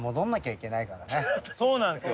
そうなんですよ。